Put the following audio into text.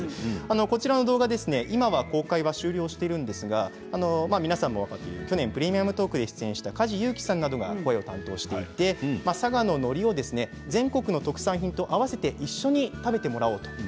こちらの動画、今は公開は終了しているんですが皆さんも、分かっているように去年「プレミアムトーク」に出演した梶裕貴さんなどが声を担当していて佐賀ののりを全国の特産品と合わせて一緒に食べてもらおうとねえね